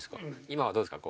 今はどうですか？